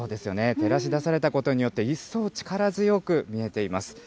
照らし出されたことによって、一層力強く見えています。